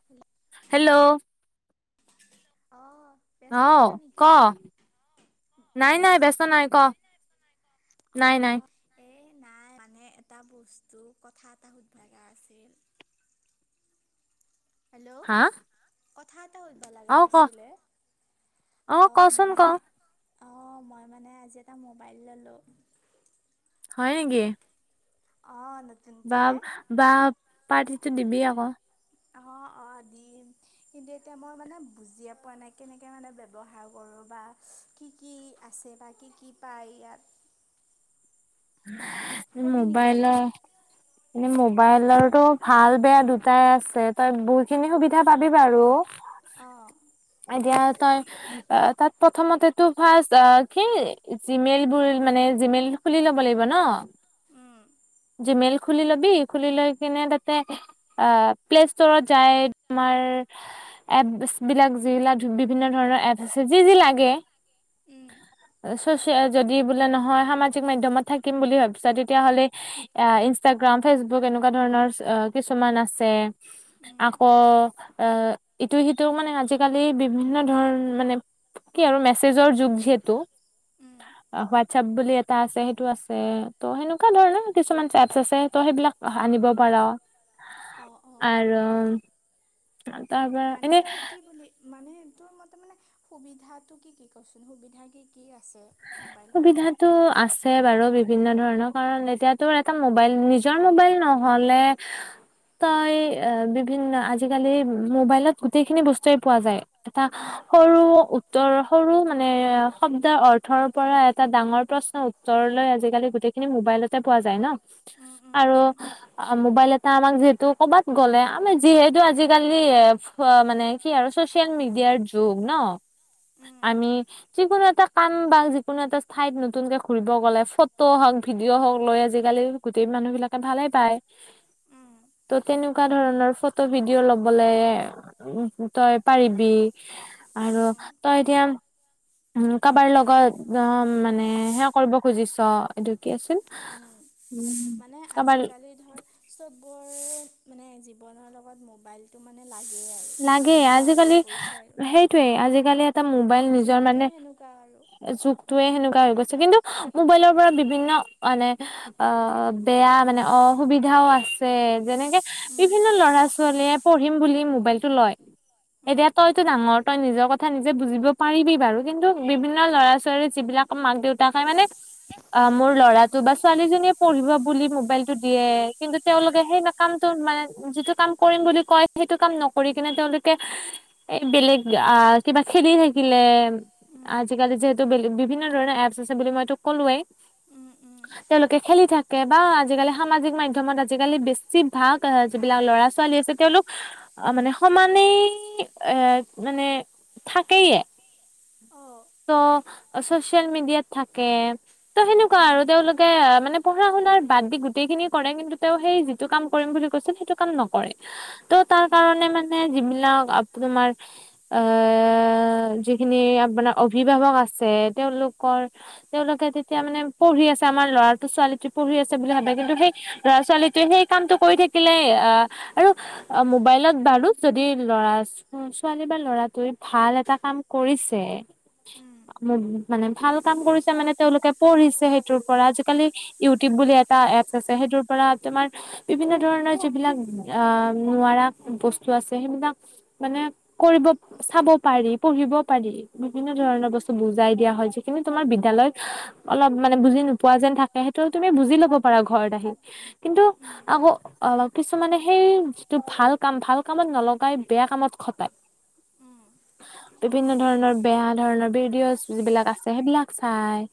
[unintelligible] Hello অ' অ' ক নাই নাই ব্যস্ত নাই ক। অ। এ নাই মানে এটা বস্তু কথা এটা সুধভাগা আছিল। হেল্ল' কথা এটা সুধিবা লগা আছিলে অ' মানে। অ' মই মানে আজি এটা মোবাইল ল'লো। হয় নেকি? অ' নতুন। বা বা পাৰ্টিটোৰ দিবি আকৌ। অহ অহ দিম। কিন্তু এতিয়া মই মানে বুজিয়ে পোৱা নাই, কেনেকৈ মানে ব্যৱহাৰ কৰোঁ বা। কি কি আছে বা কি কি পায় ইয়াত। মোবাইলৰ। াহ। [unintelligible] এনে মোবাইলৰটো ভাল বেয়া দুটাই আছে তই বহুখিনি সুবিধা পাবি বাৰু। অঁহ। এতিয়া তই। অঁহ তাত প্ৰথমতেটো ফাষ্ট অ কি জিমেইল বোৰ মানে জিমেইল খুলি লবি। লাগিব ন জিমেইল খুলি লবি খুলি লৈ কিনে তাতে। আঁহ প্লেষ্টৰত যায় তোমাৰ। এপছ বিলাক যিলাক বিভিন্ন ধৰণৰ এপ আছে যি যি লাগে। উম। যদি বোলে নহয় সামাজিক মাধ্যমত থাকিম বুলি ভাবিছা তেতিয়া হলে। এ ইনষ্টাগ্ৰাম ফেচবুক এনেকুৱা ধৰণৰ কিছুমান আছে। আকৌ আঁহ ইটো সিটো মানে আজিকালি বিভিন্ন ধৰণ মানে। আৰু মেচেজৰ যুগ যিহেতু হুৱাইটছপ বুলি এটা আছে। আছে ত সেনেকুৱা ধৰণৰ কিছুমান এপচ আছে ত' সেইবিলাক আনিব পাৰ। আৰু তাৰ পৰা ইনে। মানে টোৰ মতে মানে সুবিধা টো কি কি কচোন সুবিধা কি কি আছে। সুবিধা। আছে বাৰু বিভিন্ন ধৰণৰ কাৰণ এতিয়াতো এটা মোবাইল নিজৰ মোবাইল নহ'লে। তই, বিভিন্ন আজিকালি মোবাইলত গোটেইখিনি বস্তুৱয়েই পোৱা যায়। এটা সৰু উত্তৰ, সৰু মানে শব্দৰ অৰ্থ। এটা ডাঙৰ প্ৰশ্ন উত্তৰলৈ আজিকালি গোটেইখিনি মোবাইলতে পোৱা যায় ন। আৰু। মোবাইল এটা আমাক যিহেতু ক'বাত গ'লে আমি যিহেতু আজিকালি এ। মানে কি আৰু চচিয়েল মিডিয়াৰ যুগ ন। আমি যিকোনো এটা কাম। বা যিকোনো এটা ঠাইত নতুনকে ঘুৰিব গ'লে, ফটো হওক ভিডিঅ' হওঁক লৈ আজিকালি। গোটেই মানুহ বিলাকে ভালেই পায়। হয়। ত' তেনেকুৱা ধৰণৰ ফটো ভিডিঅ' লবলে। উ তই পাৰিবি আৰু তই এতিয়া। উ কাৰবাৰ লগত মানে সেয়া কৰিব খুজিছ এইটো কি আছিল। মানে আজিকালি ধৰ। চববৰ মানে জীৱনৰ লগত মোবাইলটো মানে লাগে। লাগেই আজিকালি সেইটোয়ে, আজিকালি এটা মোবাইল নিজৰ মানে। যুগটোৱে সেনেকুৱা গৈছে কিন্তু মোবাইলৰ পৰা বিভিন্ন মানে। অ বেয়া মানে অসুবিধাও আছে যেনেকে। বিভিন্ন ল'ৰা ছোৱালীয়ে পঢ়িম বুলি মোবাইলটো লয়। এতিয়া তইতো ডাঙৰ, তই নিজৰ কথা নিজে বুজিব পাৰিবি বাৰু, কিন্তু বিভিন্ন ল'ৰা ছোৱালী যিবিলাক। মাক দেউতাকে মানে। অ মোৰ ল'ৰাটো বা ছোৱালীজনীয়ে পঢ়িব বুলি মোবাইলটো দিয়ে কিন্তু তেওঁলোকে সেই কামটো মানে যিটো কাম কৰিম বুলি কয় সেইটো কাম নকৰি কিনে তেওঁলোকে। এই বেলেগ আহ কিবা খেলি থাকিলে। আজিকালি যিহেতু বিভিন্ন ধৰণৰ এপছ আছে বুলি মইতো ক'লোৱেই। উম উম। তেওঁলোকে খেলি থাকে বা আজিকালি সামাজিক মাধ্যমত আজিকালি বেছি ভাগ যিবিলাক ল'ৰা ছোৱালী আছে তেওঁলোক। [unintelligible] অ মানে সমানেই এ মানে থাকেই এ অ ত' চচিয়েল মিডিয়াত থাকে ত সেনেকুৱা আৰু তেওঁলোকে অ মানে পঢ়া শুনাৰ বাদ দি গোটেই খিনি কৰে কিন্তু তেওঁ সেই যিটো কাম কৰিম বুলি কৈছিল সিটো কাম নকৰে ত' তাৰ তাৰমানে মানে যিবিলাক আপ তোমাৰ আহ যিখিনি আপোনাৰ অভিভাৱক আছে তেওঁলোকৰ তেওঁলোকে তেতিয়া মানে পঢ়ি আছে আমাৰ ল'ৰাটো ছোৱালীটো পঢ়ি আছে বুলি ভাবে কিন্তু সেই ল'ৰা ছোৱালীটোৱে সেই কামটো কৰি থাকিলে অ আৰু অ মো মোবাইলত বাৰু যদি ল'ৰা আছ ছোৱালী বা ল'ৰাটোৱে ভাল এটা কাম কৰিছে ম মানে ভাল কাম কৰিছে মানে তেওঁলোকে পঢ়িছে সেইটোৰ পৰা আজিকালি ইউটিউব বুলি এটা এপছ আছে সেইটোৰ পৰা তোমাৰ বিভিন্ন ধৰণৰ যিবিলাক অ নোৱাৰা বস্তু আছে সেইবিলাক মানে কৰিব চাব পাৰি পঢ়িব পাৰি। বিভিন্ন ধৰণৰ বস্তু বুজাই দিয়া হয় যিখিনি তোমাৰ বিদ্যালয় অলপ মানে বুজি নোপোৱা যেন থাকে সেইটো তুমি বুজি লব পাৰা ঘৰত আহি। কিন্তু আকৌ অ কিছুমানে সেই যিটো ভাল কাম ভাল কামত নলগাই বেয়া কামত খটায়। বিভিন্ন ধৰণৰ বেয়া ধৰণৰ ভিডিঅ'ছ যিবিলাক আছে সেইবিলাক চায়।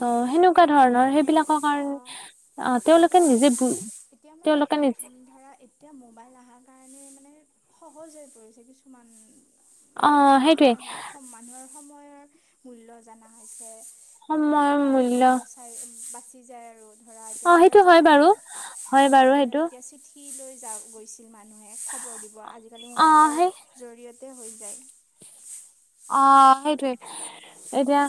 ত সেনেকুৱা ধৰণৰ সেইবিলাকৰ কাৰণে অ তেওঁলোকে নিজে বু এতিয়া মানে উম ধৰা এ এতিয়া মোবাইল আহা কাৰণে মানে সহজ হৈ পৰিছে কিছুমান ধৰা কামে হওঁক মানুহৰ সময়ৰ মূল্য জানা হৈছে। অ সময় বচাই বাচি যায় আৰু ধৰা এতিয়া ক'ৰবাত যাম। আগৰ দিনত এতিয়া চিঠি লৈ যা গৈছিল মানুহে খবৰ দিব আজিকালি মোবাইলৰ জৰিয়তে হৈ যায়। অ সেইটোৱে এতিয়া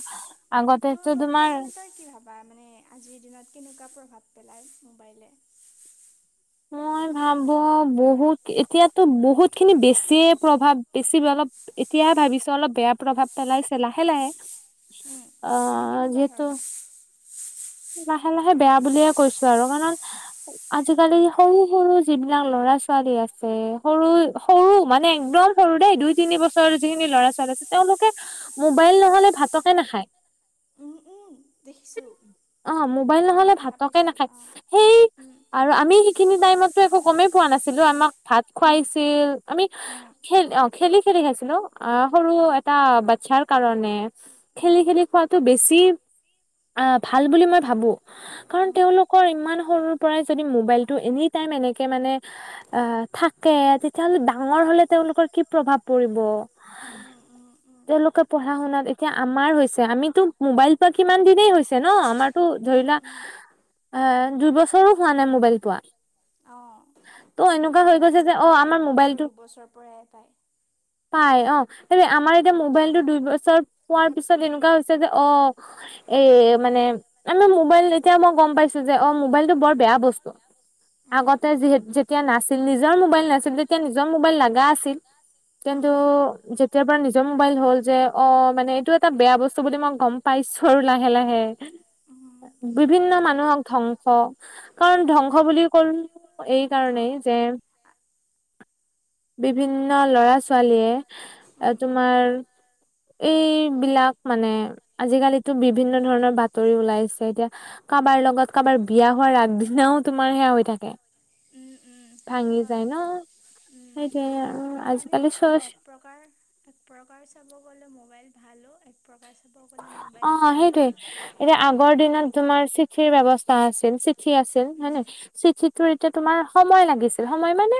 তোৰ মতে মানে তই কি ভাবা মানে আজিৰ দিনত কেনেকুৱা প্ৰভাৱ পেলাই মোবাইলে মই ভাবোঁ বহুত এতিয়াটো বহুতখিনি বেছিয়ে প্ৰভাৱ বেছি অলপ এতিয়া ভাবিছোঁ অলপ বেয়া প্ৰভাৱ পেলাইছে লাহে লাহে। উম মানে কেনেকুৱা ধৰণৰ লাহে লাহে বেয়া বুলিয়ে কৈছোঁ আৰু কাৰণ আজিকালি সৰু সৰু যিবিলাক ল'ৰা ছোৱালী আছে সৰু সৰু মানে একদম সৰু দেই দুই তিনি বছৰৰ যিখিনি ল'ৰা ছোৱালী আছে তেওঁলোকে মোবাইল নহ'লে ভাতকে নাখায়। উম উম দেখিছোঁ। অ' মোবাইল নহ'লে ভাতকে নাখায়, সেই আৰু আমি সেই ইখিনি টাইমতটো একো গমেই পোৱা নাছিলোঁ আমাক ভাত খুৱাইছিল। আমি খেল অ' খেলি খেলি খাইছিলোঁ অ সৰু এটা বাচ্ছাৰ কাৰণে। খেলি খেলি খোৱাটো বেছি অ' ভাল বুলি মই ভাবোঁ। কাৰণ তেওঁলোকৰ ইমান সৰুৰ পৰাই যদি মোবাইলটো এনি টাইম এনেকে মানে অ' থাকে, তেতিয়াহ'লে ডাঙৰ হ'লে তেওঁলোকৰ কি প্ৰভাৱ পৰিব। উম উম উম। তেওঁলোকে পঢ়া শুনাত এতিয়া আমাৰ হৈছে আমিটো মোবাইল পোৱা কিমান দিনে হৈছে। ন, আমাৰটো ধৰিলোৱা অ' দুইবছৰো হোৱা নাই মোবাইল পোৱা। ত' এনেকুৱা হৈ গৈছে যে অ' আমাৰ মোবাইলটো পাই অ' [unintelligible] আমাৰ এতিয়া মোবাইলটো দুই বছৰ পোৱাৰ পিছত এনেকুৱা হৈছে যে। অ' এ মানে আমাৰ মোবাইল এতিয়া মই গম পাইছো যে অ মোবাইলটো বৰ বেয়া বস্তু। আগতে যিহে যেতিয়া নাছিল, নিজৰ মোবাইল নাছিল তেতিয়া নিজৰ মোবাইল লাগা আছিল। কিন্তু যেতিয়াৰ পৰা নিজৰ মোবাইল হল যে অ' মানে এইটো এটা বেয়া বস্তু বুলি মই গম পাইছো আৰু লাহে লাহে। বিভিন্ন মানুহক ধ্বংস। কাৰণ ধ্বংস বুলি ক'লো, এই কাৰণেই যে [inaudible] বিভিন্ন ল'ৰা-ছোৱালীয়ে তোমাৰ এইবিলাক মানে আজিকালিতো বিভিন্ন ধৰণৰ বাতৰি ওলাইছে এতিয়া। কাবাৰ লগত কাবাৰ বিয়া হোৱাৰ আগদিনাও তোমাৰ সেয়া হৈ থাকে। ভাঙি যায় ন সেইটোৱে। মানে এক প্ৰকাৰ এক প্ৰকাৰ চাব গ'লে মোবাইল ভালো। এক প্ৰকাৰ চাব গ'লে মোবাইল বেয়াও। এতিয়া আগৰ দিনত তোমাৰ চিঠিৰ ব্যৱস্থা আছিল চিঠি আছিল হয় নে? চিঠিটোৰ এতিয়া তোমাৰ সময় লাগিছিল। সময় মানে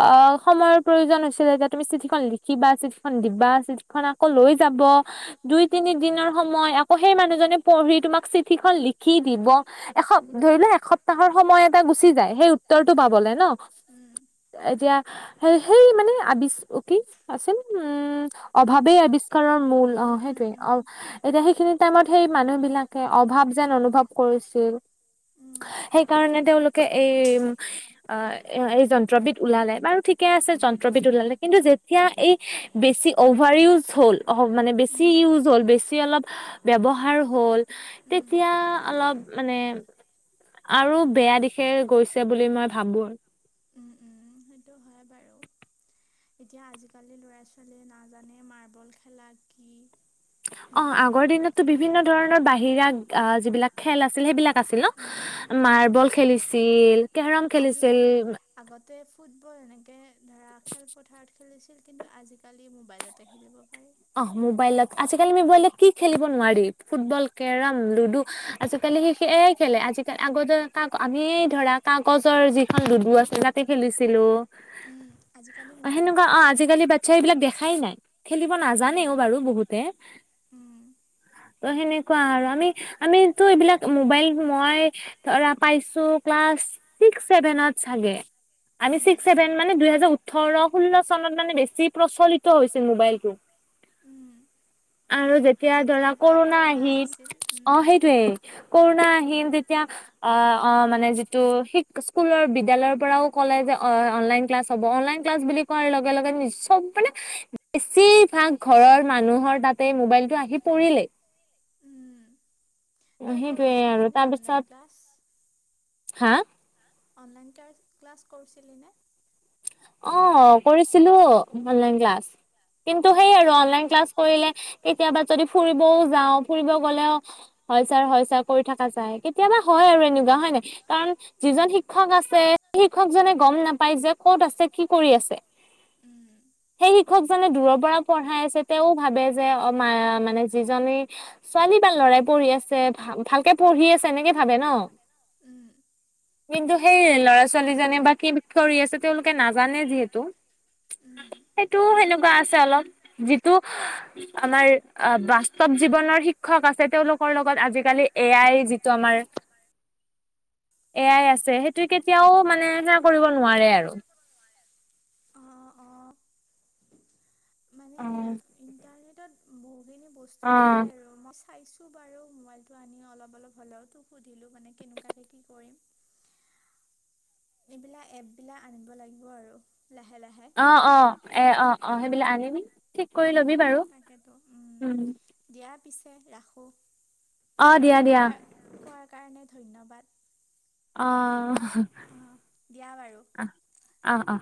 অ' সময়ৰ প্ৰয়োজন হৈছিল, তুমি চিঠিখন লিখিবা চিঠিখন দিবা চিঠিখন আকৌ লৈ যাব। দুই তিনি দিনৰ সময় আকৌ সেই মানুহজনে পঢ়ি তোমাক চিঠি খন লিখি দিব। এস ধৰি লোৱা এসপ্তাহৰ সময় এটা গুচি যায়। সেই উত্তৰটো পাবলে ন? এতিয়া সেই সেই মানে আবিচ [unintelligible] অভাৱেই আৱিষ্কাৰৰ মূল অ' সেইটোৱেই। অ' এতিয়া সেইখিনি টাইমত সেই মানুহ বিলাকে অভাৱ যেন অনুভৱ কৰিছিল। সেইকাৰণে তেওঁলোকে এই আহ, এই যন্ত্ৰবিধ ওলালে বাৰু ঠিকে আছে যন্ত্ৰবিধ ওলালে। কিন্তু যে যেতিয়া এই বেছি অভাৰ ইউজ হ'ল, অ' মানে বেছি ইউজ। হল বেছি অলপ ব্যৱহাৰ হ'ল, তেতিয়া অলপ মানে আৰু বেয়া দিশেৰে গৈছে বুলি মই ভাবো আৰু। সেইটো হয় বাৰু। এতিয়া আজিকালি লৰা-ছোৱালীয়ে নাজানে মাৰ্বল খেলা কি? অ' আগৰ দিনততো বিভিন্ন ধৰণৰ বাহিৰা যিবিলাক খেল আছিল, সেইবিলাক আছিল ন। উম। মাৰ্বল খেলিছিল। আজিকালি আগতে ফুটবল এনেকে ধৰা খেলপথাৰত খেলিছিল, কিন্তু আজিকালি মোবাইলত। তে খেলিব পাৰি। অ মোবাইলত, আজিকালি মোবাইলত কি খেলিব নোৱাৰি, ফুটবল, কেৰম, লুডু। আজিকালি সি খেলে, আজিকালি আগতে কাক আমিয়েই ধৰা কাগজৰ যিখন লুডু আছিলে। খেলিছিলো। উম' আজিকালি মোবাইলত পাৰি। সেইবিলাক দেখাই নাই। নাজানেও বাৰু বহুতে। [unintelligible] ত সেনেকুৱা আৰু আমি আমিতো এইবিলাক মোবাইল মই পাইছো ক্লাছ, ছিক্স, ছেভেনত চাগে। আমি ছিক্স, ছেভেন মানে দুহেজাৰ ওঠৰ, ষোল্ল চনত মানে বেছি প্ৰচলিত হৈছিল মোবাইলটো। আৰু যেতিয়া ধৰা কৰুণা আহিল, অ' সেই টোৱেই কৰুণা আহিল তেতিয়া অ' অ' মানে যিটো শি স্কুলৰ বিদ্যালয় পৰাও ক'লে যে অ' অনলাইন ক্লাছ হব অনলাইন ক্লাছ বুলি কোৱাৰ লগে লগে, নি চব মানে বেছি ঘৰৰ মানুহৰ তাতে মোবাইলটো আহি পৰিলে। সেইটোয়ে আৰু তাৰপিছত হা। অনলাইন ক্লাছ কৰিছিলি নে? অ' কৰিছিলো অনলাইন ক্লাছ, কিন্তু সেই আৰু অনলাইন ক্লাছ কৰিলে কেতিয়াবা যদি ফুৰিবও যাওঁ, ফুৰিব গলেও হয় চাৰ, হয় চাৰ কৰি থকা যায়, কেতিয়াবা হয় আৰু এনেকুৱা হয় নাই? কাৰণ যিজন শিক্ষক আছে, শিক্ষকজনে গম নাপাই যে ক'ত আছে। কি কৰি আছে। [unintelligible] সেই শিক্ষকজনে দূৰৰ পৰা পঢ়াই আছে, তেওঁ ভাবে যে অ মা মানে যিজনী ছোৱালী বা লৰাই পঢ়ি আছে, ভা ভালকে পঢ়ি আছে এনেকে ভাবে ন। উম। কিন্তু সেই ল'ৰা ছোৱালীজনে বা কি কৰি আছে, তেওঁলোকে না জানে যিহেতু, সেইটো সেনেকুৱা আছে অলপ যিটো আমাৰ বাস্তৱ জীৱনৰ শিক্ষক আছে, তেওঁলোকৰ লগত আজিকালি এ আই যিটো আমাৰ [inaudible] এ আই আছে সেইটো কেতিয়াও মানে সেনা কৰিব নোৱাৰে আৰু। মানে ইন্টাৰনেটত বহুখিনি বস্তু পায় আৰু মই চাই তো বাৰু মোবাইলটো আনি, অলপ অলপ হলেও টো সুধিলো মানে কেনেকুৱাকে কি কৰিম। এইবিলাক এপ বিলাক আনিব লাগিব আৰু লাহে লাহে। অ' অ'এ অ' অ' সেইবিলাক আনিবি, ঠিক কৰি ল'বি বাৰু উম। দিয়া পিছে ৰাখোঁ। অ' দিয়া দিয়া। কাৰণে ধন্যবাদ। অ' দিয়া বাৰু। অ' অ'।